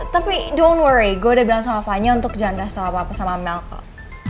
tapi don't worry gue udah bilang sama fanya untuk jangan kasih tau apa apa sama mel kok